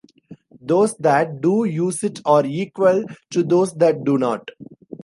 Those that do use it are equal to those that do not.